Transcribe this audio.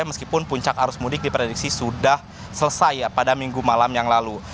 meskipun puncak arus mudik diprediksi sudah selesai pada minggu malam yang lalu